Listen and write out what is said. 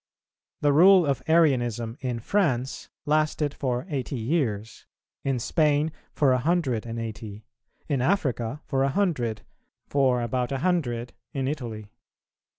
[278:3] The rule of Arianism in France lasted for eighty years; in Spain for a hundred and eighty; in Africa for a hundred; for about a hundred in Italy.